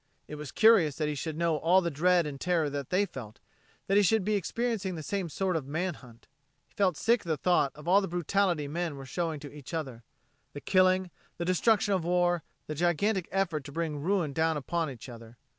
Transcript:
It was curious that he should know all the dread and terror that they felt, that he should be experiencing the same sort of man hunt. He felt sick at the thought of all the brutality men were showing to each other the killing, the destruction of war, the gigantic effort to bring ruin down upon each other.